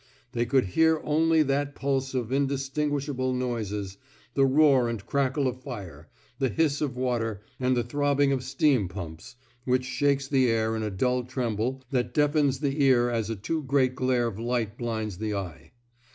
They could hear only that pulse of indis 48 A CHAEGE OF COWAEDICE tinguishable noises — the roar and crackle of fire, the hiss of water, and the throbbing of steam pumps — which shakes the air in a dull tremble that deafens the ear as a too great glare of light blinds the eye.